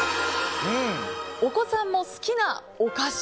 お子さんも好きなお菓子。